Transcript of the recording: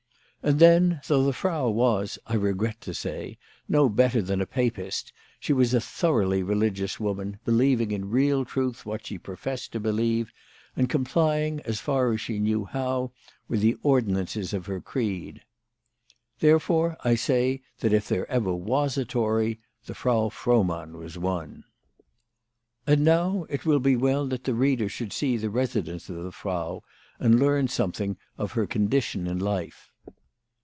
And then, though the Frau was, I regret to say, no better than a Papist, she was a thoroughly religious woman, believing in real truth what she professed to believe, and eom plying, as far as she knew how, with the ordinances of her creed. Therefore I say that if ever there was a Tory, the Frau Frohmann was one. And now it will be well that the reader should see the residence of the Frau, and learn something of her condition in life.